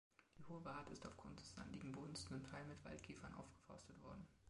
Die Hohe Ward ist aufgrund des sandigen Bodens zum Teil mit Waldkiefern aufgeforstet worden.